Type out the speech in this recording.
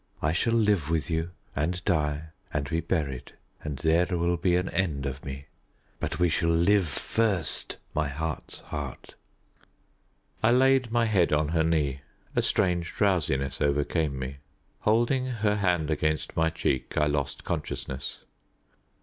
I shall live with you, and die, and be buried, and there will be an end of me. But we shall live first, my heart's heart." I laid my head on her knee. A strange drowsiness overcame me. Holding her hand against my cheek, I lost consciousness.